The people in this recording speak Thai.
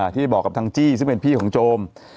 ที่ได้บอกกับทางจี้ซึ่งเป็นพี่ของโจม